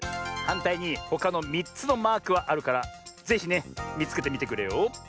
はんたいにほかの３つのマークはあるからぜひねみつけてみてくれよ。